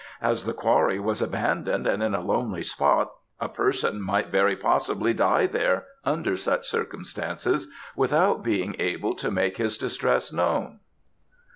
As the quarry was abandoned and in a lonely spot, a person might very possibly die there under such circumstances without being able to make his distress known.